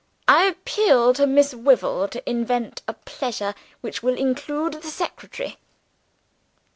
I appeal to Miss Wyvil to invent a pleasure which will include the secretary."